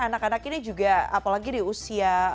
anak anak ini juga apalagi di usia